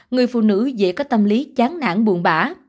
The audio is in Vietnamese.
người phụ nữ dễ có tâm lý chán nản buồn bã